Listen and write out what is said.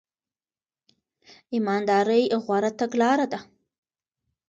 ایمانداري غوره تګلاره ده.